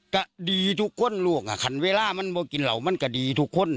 ก็ดีทุกคนลูกอ่ะคันเวลามันมากินเหล่ามันก็ดีทุกคน